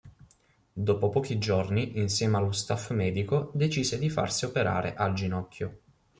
Dopo pochi giorni insieme allo staff medico decise di farsi operare al ginocchio.